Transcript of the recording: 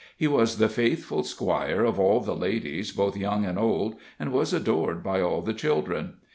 He was the faithful squire of all the ladies, both young and old, and was adored by all the children.